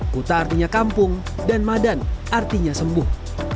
kuta artinya kampung dan madan artinya sembuh